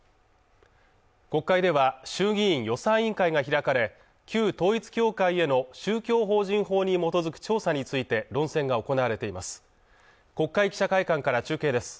国会では衆議院予算委員会が開かれ旧統一教会への宗教法人法に基づく調査について論戦が行われています